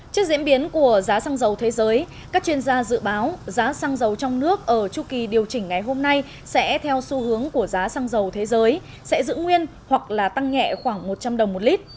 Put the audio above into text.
trước diễn biến của giá xăng dầu thế giới các chuyên gia dự báo giá xăng dầu trong nước ở chu kỳ điều chỉnh ngày hôm nay sẽ theo xu hướng của giá xăng dầu thế giới sẽ giữ nguyên hoặc là tăng nhẹ khoảng một trăm linh đồng một lít